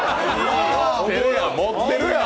もってるやん。